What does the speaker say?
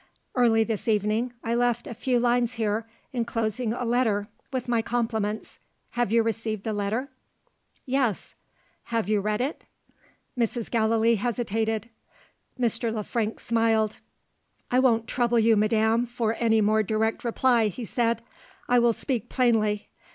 "Early this evening, I left a few lines here, enclosing a letter with my compliments. Have you received the letter?" "Yes." "Have you read it?" Mrs. Gallilee hesitated. Mr. Le Frank smiled. "I won't trouble you, madam, for any more direct reply," he said; "I will speak plainly.